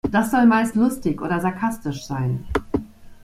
Das soll meist lustig oder sarkastisch sein.